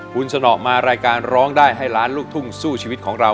คุณสนอมารายการร้องได้ให้ล้านลูกทุ่งสู้ชีวิตของเรา